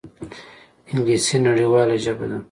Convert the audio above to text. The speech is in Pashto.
انګلیسي نړیواله ژبه ده